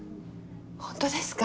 本当ですか？